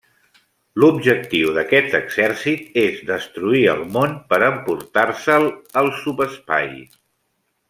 L'objectiu d'aquest exèrcit és destruir el món per emportar-se'l al subespai.